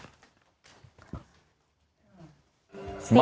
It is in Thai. น่ารักนิสัยดีมาก